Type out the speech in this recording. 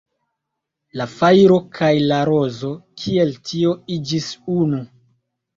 La fajro kaj la rozo, kiel tio, iĝis unu.